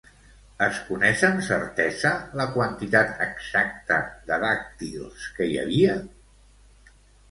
Es coneix amb certesa la quantitat exacta de dàctils que hi havia?